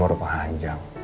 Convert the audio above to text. wah umur panjang